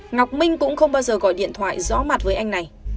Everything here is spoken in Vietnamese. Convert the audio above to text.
ngọc minh cũng không bao giờ gọi điện thoại rõ mặt với anh này